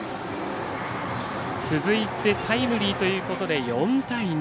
続いてタイムリーということで４対２。